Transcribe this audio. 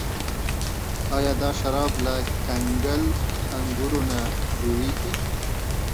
آیا دا شراب له کنګل انګورو نه جوړیږي؟